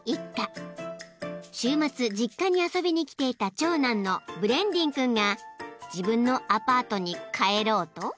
［週末実家に遊びに来ていた長男のブレンディン君が自分のアパートに帰ろうと］